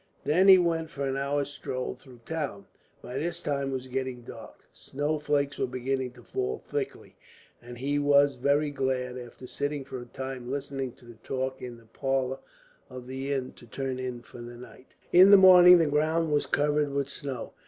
Then he went for an hour's stroll through the town. By this time it was getting dark, snowflakes were beginning to fall thickly, and he was very glad, after sitting for a time listening to the talk in the parlour of the inn, to turn in for the night. In the morning the ground was covered with snow.